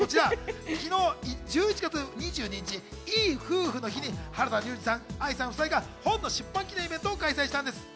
昨日１１月２２日、いい夫婦の日に原田龍二さん、愛さん夫妻が本の出版記念イベントを開催したんです。